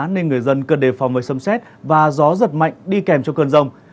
nên người dân cần đề phòng với sâm xét và gió giật mạnh đi kèm cho cơn rông